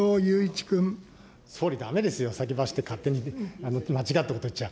総理、だめですよ、先走って勝手に間違ったこと言っちゃ。